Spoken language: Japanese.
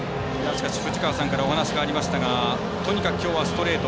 しかし、藤川さんからお話がありましたがとにかく、きょうはストレート。